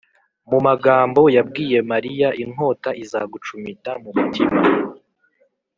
. Mu magambo yabwiye Mariya, “inkota izagucumita mu mutima,